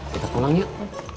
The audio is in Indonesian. kita pulang yuk